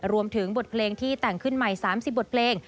รวมถึงบทเพลงที่แต่งขึ้นใหม่๓๐บทเพลง